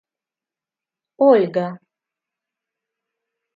Ольга